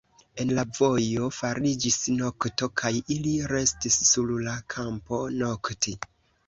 En la vojo fariĝis nokto, kaj ili restis sur la kampo nokti.